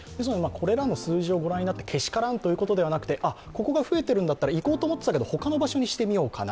これらの数字をご覧になってけしからんということではなくてここが増えているんだったら行こうと思ってたけれど他の場所にしてみようかな。